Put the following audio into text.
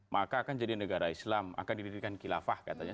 maka akan jadi negara islam akan didirikan kilafah katanya